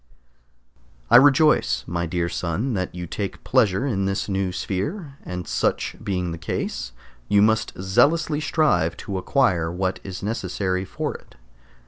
I rejoice, my dear son, that you take pleasure in this new sphere, and such being the case you must zealously strive to acquire what is necessary for it.